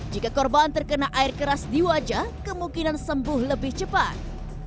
jika korban terkena air keras di wajah kemungkinan sembuh lebih cepat